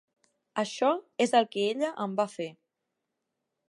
Això és el que ella em va fer.